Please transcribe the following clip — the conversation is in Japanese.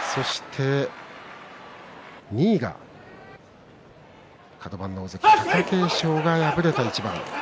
２位はカド番の大関貴景勝が敗れた一番です。